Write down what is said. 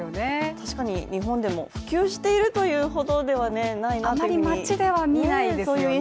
確かに日本でも普及しているというほどではないかなというふうに。